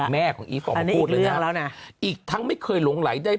แม่ของอีฟออกมาพูดแล้วนะอีกทั้งไม่เคยหลงไหลได้